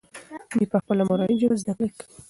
دوی په خپله مورنۍ ژبه زده کړه کوي.